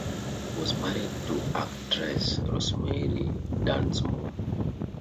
He was married to actress Rosemary Dunsmore.